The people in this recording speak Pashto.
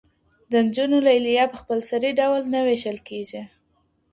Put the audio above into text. د نجونو لیلیه په خپلسري ډول نه ویشل کیږي.